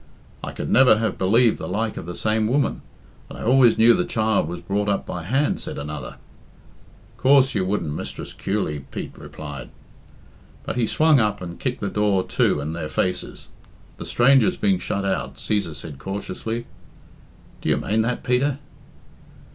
"I could never have believed the like of the same woman, and I always knew the child was brought up by hand," said the other. "Coorse you couldn't, Mistress Kewley," Pete replied. But he swung up and kicked the door to in their faces. The strangers being shut out, Cæsar said cautiously "Do you mane that, Peter?"